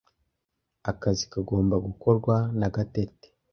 Akazi kagomba gukorwa na Gatete .